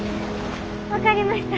分かりました。